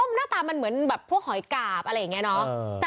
หน้าตามันเหมือนแบบพวกหอยกาบอะไรอย่างนี้เนาะ